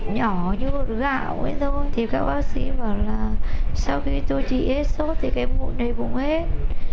nhỏ như gạo ấy thôi thì các bác sĩ bảo là sau khi tôi trị hết suốt thì cái mũi này cũng hết